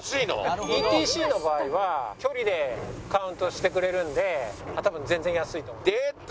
ＥＴＣの場合は距離でカウントしてくれるんで多分全然安いと思います。